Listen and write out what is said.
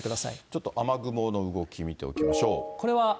ちょっと雨雲の動き見ておきましょう。